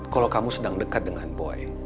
kalau kamu sedang dekat dengan boeing